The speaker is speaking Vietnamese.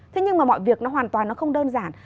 thế nhưng mà mọi việc nó hoàn toàn nó không đơn giản